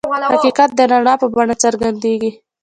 حقیقت د رڼا په بڼه څرګندېږي.